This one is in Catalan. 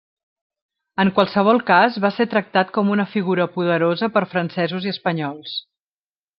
En qualsevol cas va ser tractat com una figura poderosa per francesos i espanyols.